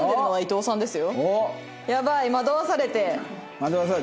やばい！